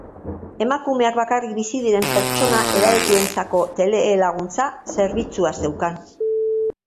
Emakumeak bakarrik bizi diren pertsona edadetuentzako telelaguntza zerbitzua zeukan.